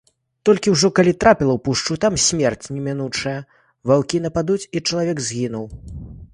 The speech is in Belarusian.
Толькі ўжо, калі трапіла ў пушчу, там смерць немінучая, ваўкі нападуць, і чалавек згінуў.